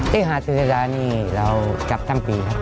ที่หาดศิริดานี่เราจับทั้งปีครับ